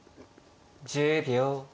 １０秒。